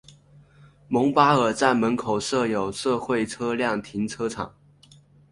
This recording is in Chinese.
蒙巴尔站门口设有社会车辆停车场。